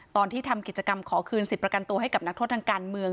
ตอนที่ทำกิจกรรมขอคืนสิทธิ์ประกันตัวให้กับนักโทษทางการเมือง